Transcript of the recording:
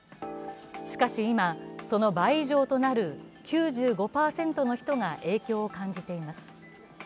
しかし今、その倍以上となる９５％の人が影響を感じています。